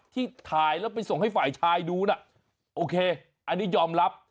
ที่ถ่ายแล้วไปส่งให้ฝ่ายชายดูน่ะโอเคอันนี้ยอมรับ